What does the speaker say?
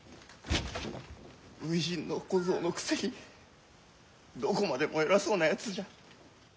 初陣の小僧のくせにどこまでも偉そうなやつじゃ。